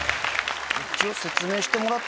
一応。